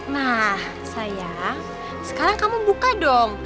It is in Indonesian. nah sayang sekarang kamu buka dong